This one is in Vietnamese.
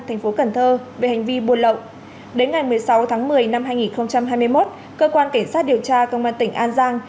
thành phố cần thơ về hành vi buôn lậu đến ngày một mươi sáu tháng một mươi năm hai nghìn hai mươi một cơ quan cảnh sát điều tra công an tỉnh an giang